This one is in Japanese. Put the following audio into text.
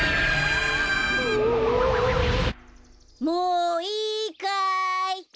もういいかい。